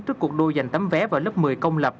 trước cuộc đôi giành tấm vé vào lớp một mươi công lập